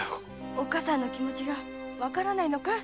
おっかさんの気持がわからないのかい。